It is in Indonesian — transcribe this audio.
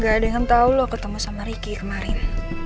gak ada yang tau lo ketemu sama ricky kemarin